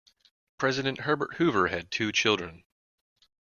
President Herbert Hoover had two children.